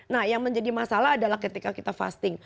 nah yang menjadi masalah adalah ketika kita fasting